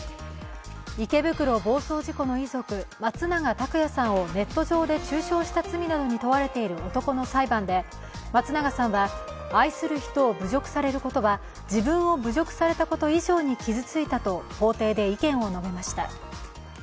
池袋暴走事故の遺族松永拓也さんをネット上で中傷した罪などに問われている男の裁判で松永さんは、愛する人を侮辱されることは自分を侮辱される以上に傷ついたと法廷で意見を述べました。